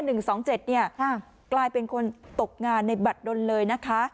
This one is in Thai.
หนึ่งสองเจ็ดเนี้ยค่ะกลายเป็นคนตกงานในบัตรดนเลยนะคะ